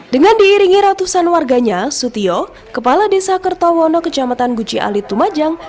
dengan diiringi ratusan warganya sutio kepala desa kertowono kecamatan guji alit lumajang